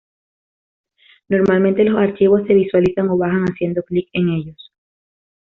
Normalmente los archivos se visualizan o bajan haciendo clic en ellos.